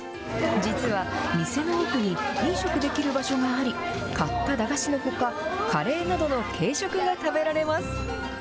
実は、店の奥に飲食できる場所があり、買った駄菓子のほか、カレーなどの軽食が食べられます。